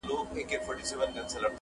بیا را ژوندي کړو د بابا لښکري؛